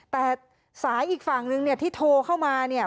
แต่สายอีกฝั่งนึงเนี่ยที่โทรเข้ามาเนี่ย